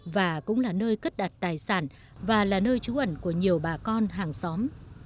và cũng là nơi cất đặt tài sản và là nơi trú ẩn của nhiều bà con hàng xóm